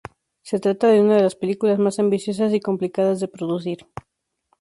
Se trata de una de las películas más ambiciosas y complicadas de producir.